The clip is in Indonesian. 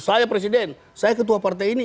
saya presiden saya ketua partai ini